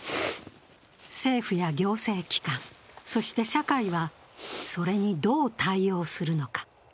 政府や行政機関、そして社会はそれにどう対応するのか。